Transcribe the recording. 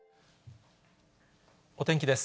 お天気です。